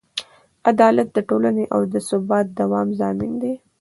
عدالت د ټولنې د ثبات او دوام ضامن دی.